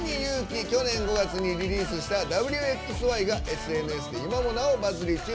去年５月にリリースしたリリースした「Ｗ／Ｘ／Ｙ」がＳＮＳで今もなお、バズり中。